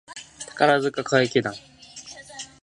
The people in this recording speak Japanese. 宝塚歌劇団